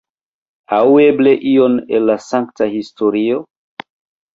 Aŭ eble ion el la sankta historio?